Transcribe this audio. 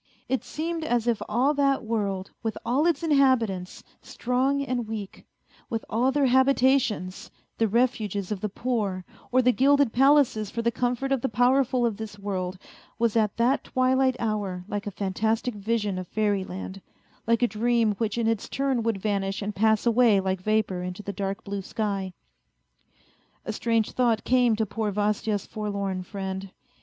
... It seemed as if all that world, with all its inhabitants, strong and weak, with all their habitations, the refuges of the poor, or the gilded palaces for the comfort of the powerful of this world was at that twilight hour like a fantastic vision of fairy land, like a dream which in its turn would vanish and pass away like vapour into the dark blue sky. A strange thought came to poor Vasya's forlorn friend.